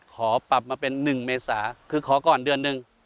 ขอปรับมาเป็น๑เมษาคือขอก่อนเดือนหนึ่ง